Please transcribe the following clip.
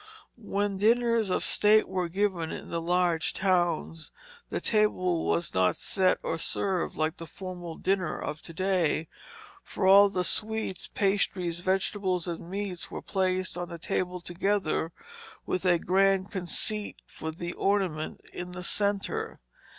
When dinners of some state were given in the larger towns, the table was not set or served like the formal dinner of to day, for all the sweets, pastry, vegetables, and meats were placed on the table together, with a grand "conceit" for the ornament in the centre.